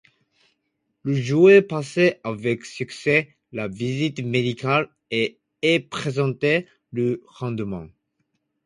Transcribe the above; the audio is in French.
Le joueur passe avec succès la visite médicale et est présenté le lendemain.